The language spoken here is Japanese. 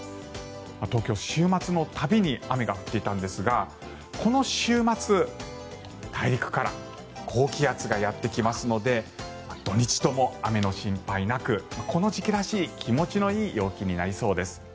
東京、週末の度に雨が降っていたんですがこの週末、大陸から高気圧がやってきますので土日とも雨の心配なくこの時期らしい気持ちのいい陽気になりそうです。